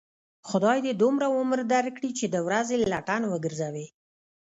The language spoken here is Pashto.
خدای دې دومره عمر در کړي، چې د ورځې لټن و گرځوې.